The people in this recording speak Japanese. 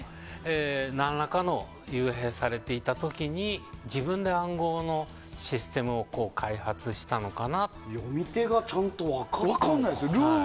何らかの幽閉されていた時に自分で暗号のシステムを読み手がちゃんと分からないと。